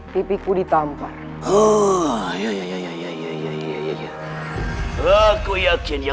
tapi ketika pak helo apa bikin spider man ini berian